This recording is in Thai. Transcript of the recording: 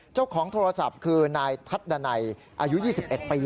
เจ้าของโทรศัพท์คือนายทัศดันัยอายุ๒๑ปี